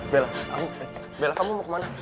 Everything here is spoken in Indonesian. bella bella kamu mau ke mana